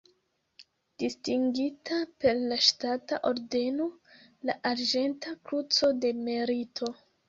Distingita per la ŝtata ordeno la Arĝenta Kruco de Merito.